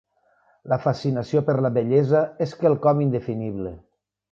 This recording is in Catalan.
La fascinació per la bellesa és quelcom indefinible.